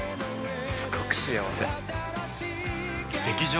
すごく幸せ。